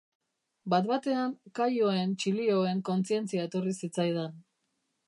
Bat-batean kaioen txilioen kontzientzia etorri zitzaidan.